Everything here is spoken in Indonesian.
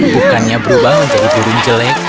bukannya berubah menjadi burung jelek